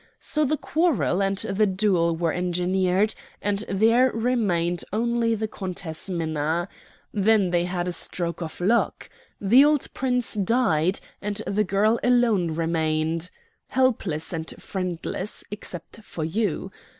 So the quarrel and the duel were engineered, and there remained only the Countess Minna. Then they had a stroke of luck. The old Prince died, and the girl alone remained, helpless and friendless, except for you.